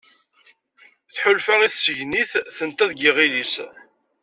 Tḥulfa i tseggnit tenta deg yiɣil-is.